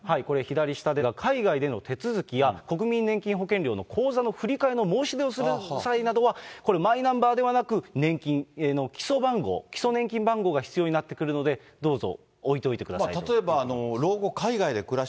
これ、左下ですが、海外での手続きや国民年金保険料の口座の振り替えの申し出をする際などは、これ、マイナンバーではなく、年金の基礎番号、基礎年金番号が必要になってくるので、どうぞ置いておいてくださいということです。